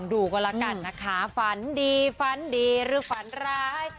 ดูกันแล้วกันนะคะฝันดีฝันดีหรือฝันร้าย